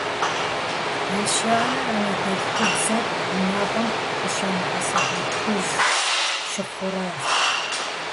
Ещанэр анэдэлъхубзэр унагъуэм къыщамыгъэсэбэпыж щыхъуращ.